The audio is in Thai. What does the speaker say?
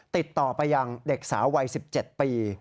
ติดต่อไปยังเด็กสาววัย๑๗ปี